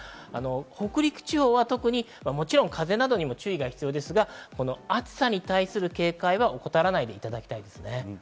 北陸地方は特にもちろん風などにも注意が必要ですが、暑さに対する警戒は怠らないでいただきたいです。